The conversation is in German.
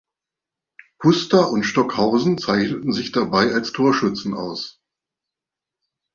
Kuster und Stockhausen zeichneten sich dabei als Torschützen aus.